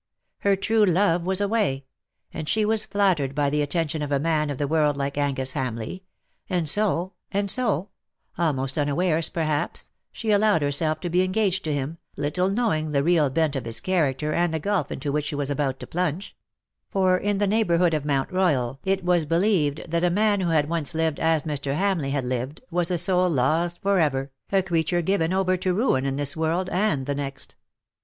Her true love was away — and she was flattered by the attention of a man of the world like Angus Hamleigh — and so, and so — almost unawares, perhaps, she allowed herself to be engaged to him, little knowing the real bent of his character and the gulf into which she was about to plunge : for in the neighbourhood of Mount Royal it was believed that a man who had once lived as Mr. Hamleigh had lived was_.a soul lost for ever, a creature given over to ruin in this world and the next.